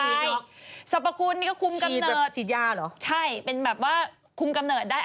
ใช่สรรพคุณก็คุ้มกำเนิดใช่เป็นแบบว่าคุ้มกำเนิดได้